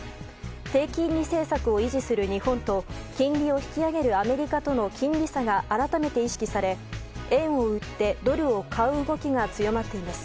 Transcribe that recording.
低金利政策を維持する日本と金利を引き上げるアメリカとの金利差が改めて意識され円を売ってドルを買う動きが強まっています。